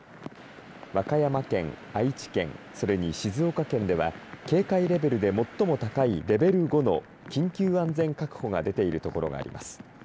和歌山県、愛知県それに静岡県では警戒レベルで最も高いレベル５の緊急安全確保が出ている所があります。